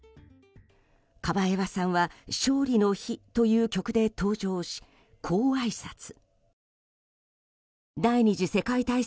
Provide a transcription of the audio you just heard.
カバエワさんは「勝利の日」という曲で登場しこうあいさつ。